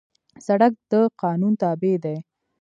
سړک د قانون تابع دی.